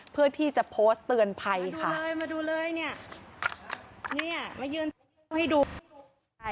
เพื่อที่จะโพสต์เตือนภัยค่ะ